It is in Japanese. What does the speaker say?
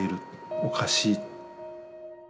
おかしい。